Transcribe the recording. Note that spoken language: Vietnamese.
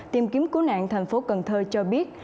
tìm kiếm cứu nạn thành phố cần thơ cho biết